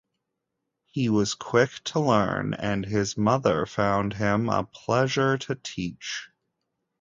He was quick to learn and his mother found him a pleasure to teach.